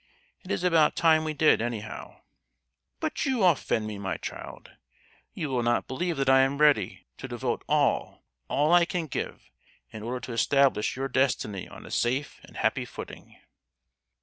It is about time we did, anyhow!" "But you offend me, my child! you will not believe that I am ready to devote all, all I can give, in order to establish your destiny on a safe and happy footing!"